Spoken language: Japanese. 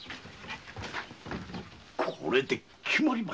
これで決まりましたな。